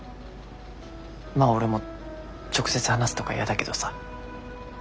まあ俺も直接話すとか嫌だけどさ。